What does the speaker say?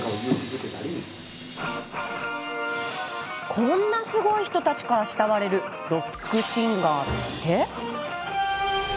こんなすごい人たちから慕われるロックシンガーって？